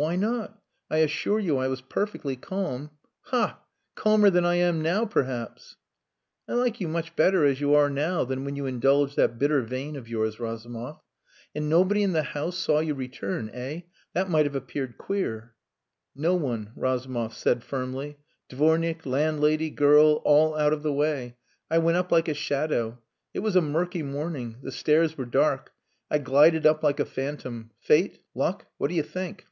"Why not? I assure you I was perfectly calm. Ha! Calmer than I am now perhaps." "I like you much better as you are now than when you indulge that bitter vein of yours, Razumov. And nobody in the house saw you return eh? That might have appeared queer." "No one," Razumov said firmly. "Dvornik, landlady, girl, all out of the way. I went up like a shadow. It was a murky morning. The stairs were dark. I glided up like a phantom. Fate? Luck? What do you think?"